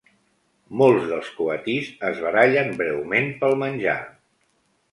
Molts dels coatís es barallen breument pel menjar.